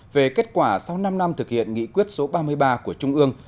về kết quả sau năm năm thực hiện nghị quyết số ba mươi ba của trung ương